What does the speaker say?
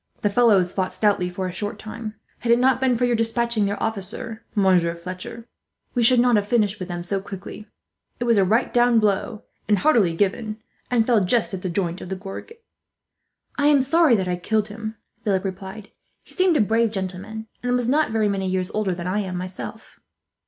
The fellows fought stoutly, for a short time. "Had it not been for your despatching their officer, Monsieur Fletcher, we should not have finished with them so quickly. It was a right down blow, and heartily given, and fell just at the joint of the gorget." "I am sorry that I killed him," Philip replied. "He seemed a brave gentleman, and was not very many years older than I am, myself."